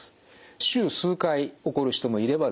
週数回起こる人もいればですね